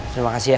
terima kasih ya